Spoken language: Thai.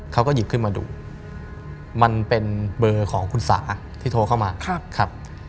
เขาก็หยิบขึ้นมาดูมันเป็นเบอร์ของคุณสาที่โทรเข้ามาครับ